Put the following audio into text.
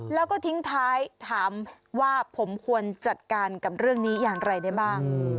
แล้วก็ทิ้งท้ายถามว่าผมควรจัดการกับเรื่องนี้อย่างไรได้บ้าง